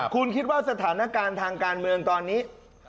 คุณคิดว่าสถานการณ์ทางการเมืองตอนนี้